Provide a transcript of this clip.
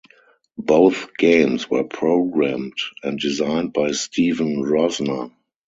Both games were programmed and designed by Steven Rozner.